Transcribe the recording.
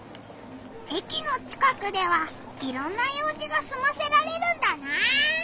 駅の近くではいろんな用じがすませられるんだな。